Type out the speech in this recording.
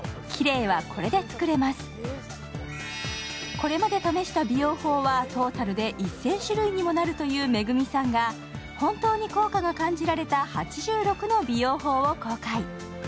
これまで試した美容法はトータルで１０００種類にもなるというＭＥＧＵＭＩさんが本当に効果が感じられた８６の美容法を公開。